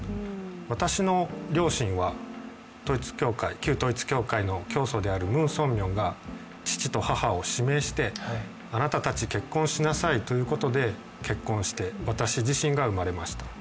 私の両親は旧統一教会の教祖であるムン・ソンミョンが父と母を指名して、あなたたち結婚しなさいということで結婚して私自身が生まれました。